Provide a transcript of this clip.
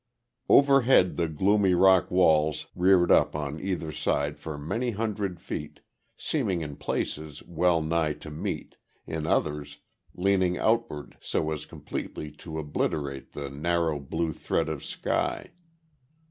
Overhead the gloomy rock walls reared up on either side for many hundred feet, seeming in places well nigh to meet, in others, leaning outward so as completely to obliterate the narrow blue thread of sky.